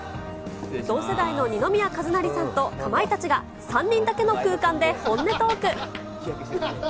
同世代の二宮和也とかまいたちが、３人だけの空間で本音トーク。